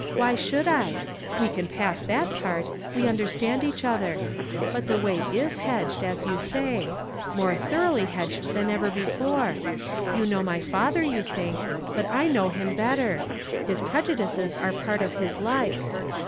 Why should I? We can pass that part; we un derstand each other. But the way is hedged, as you say ; more thoroughly hedged than ever before. You know my father, you think; but I know him better. His prejudices are part of his life.